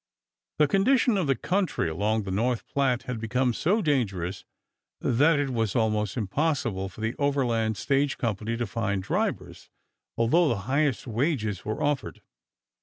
The condition of the country along the North Platte had become so dangerous that it was almost impossible for the Overland Stage Company to find drivers, although the highest wages were offered.